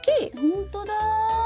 ほんとだ。